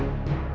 jawab afif pa